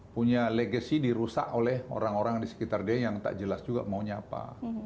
punya legacy dirusak oleh orang orang di sekitar dia yang tak jelas juga maunya apa